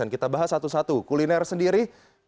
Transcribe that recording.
kita bahas satu satu kuliner sendiri empat puluh satu